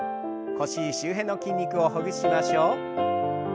腰周辺の筋肉をほぐしましょう。